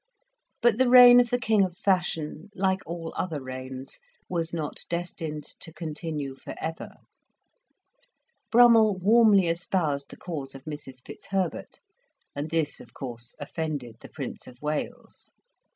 But the reign of the king of fashion, like all other reigns, was not destined to continue for ever. Brummell warmly espoused the cause of Mrs. Fitzherbert, and this of course offended the Prince of Wales.